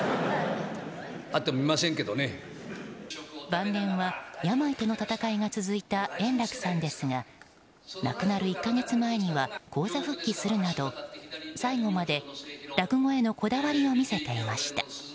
晩年は病との闘いが続いた円楽さんですが亡くなる１か月前には高座復帰するなど最後まで落語へのこだわりを見せていました。